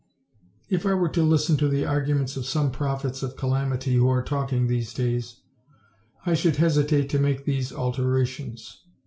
If I were to listen to the arguments of some prophets of calamity who are talking these days, I should hesitate to make these alterations.